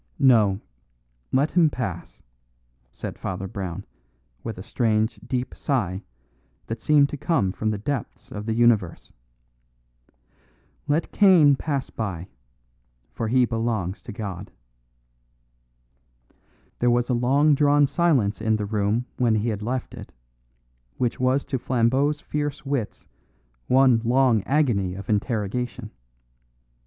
"No; let him pass," said Father Brown, with a strange deep sigh that seemed to come from the depths of the universe. "Let Cain pass by, for he belongs to God." There was a long drawn silence in the room when he had left it, which was to Flambeau's fierce wits one long agony of interrogation.